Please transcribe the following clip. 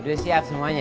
udah siap semuanya